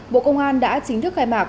bộ công an đã chính thức khai mạc